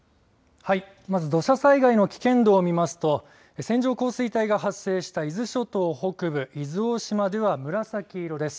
まず土砂災害の危険度を見ますと線状降水帯が発生した伊豆諸島北部伊豆大島では紫色です。